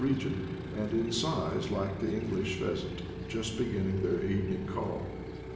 region, and in size like the English pheasant, just ' beginning their evening call.